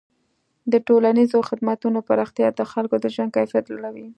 د ټولنیزو خدمتونو پراختیا د خلکو د ژوند کیفیت لوړوي.